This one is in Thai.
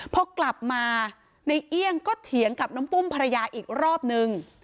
พอกลับมาในเอี่ยงก็เถียงกับน้องปุ้มภรรยาอีกรอบนึง